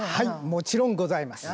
もちろんございます。